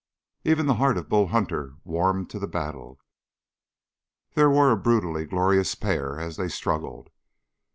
Even the heart of Bull Hunter warmed to the battle. They were a brutally glorious pair as they struggled.